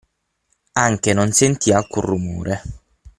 Anche non sentì alcun rumore.